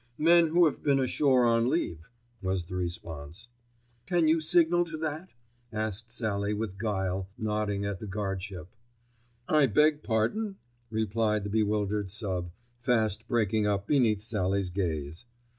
"Men who have been ashore on leave," was the response. "Can you signal to that?" asked Sallie with guile, nodding at the guardship. "I beg pardon," replied the bewildered sub, fast breaking up beneath Sallie's gaze.